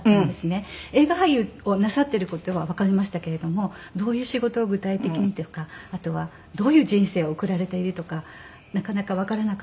映画俳優をなさっている事はわかりましたけれどもどういう仕事を具体的にとかあとはどういう人生を送られているとかなかなかわからなかったので。